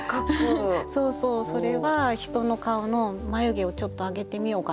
それは人の顔の眉毛をちょっと上げてみようかな？